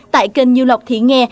tại kênh nhiêu lọc thị nghè